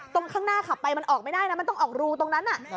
ตรงข้างหน้าขับไปมันออกไม่ได้นะมันต้องออกรูตรงนั้น